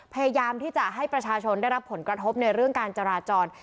พยายามที่จะให้ประชาชนได้รับผลกระทบในเรื่องการจราจร